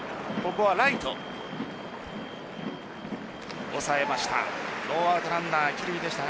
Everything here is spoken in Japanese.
ここはライト抑えました。